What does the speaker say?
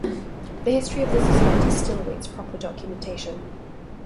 The history of the society still awaits proper documentation.